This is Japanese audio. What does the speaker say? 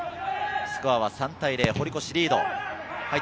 スコアは３対０、堀越がリード。